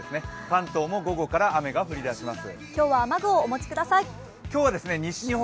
関東も午後から雨が降り出します。